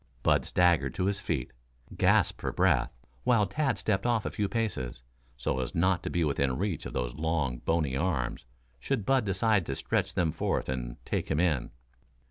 Bud staggered to his feet, gasped for breath, while Tad stepped off a few paces, so as not to be within reach of those long, bony arms, should Bud decide to stretch them forth and take him in.